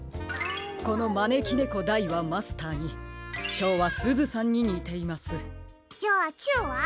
このまねきねこ・大はマスターに小はすずさんににています。じゃあ中は？